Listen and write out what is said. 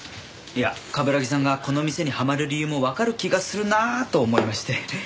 いや冠城さんがこの店にはまる理由もわかる気がするなあと思いまして。